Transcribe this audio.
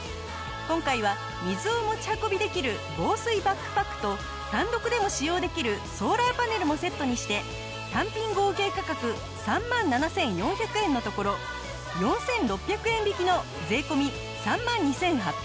今回は水を持ち運びできる防水バックパックと単独でも使用できるソーラーパネルもセットにして単品合計価格３万７４００円のところ４６００円引きの税込３万２８００円。